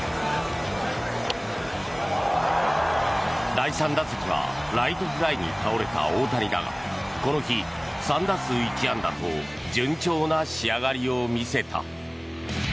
第３打席はライトフライに倒れた大谷だがこの日、３打数１安打と順調な仕上がりを見せた。